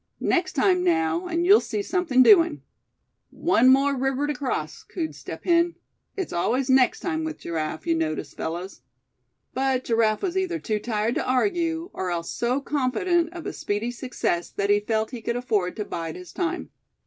Next time, now, and you'll see something doing." "One more ribber to cross!" cooed Step Hen. "It's always 'next time,' with Giraffe, you notice, fellows." But Giraffe was either too tired to argue, or else so confident of a speedy success that he felt he could afford to bide his time.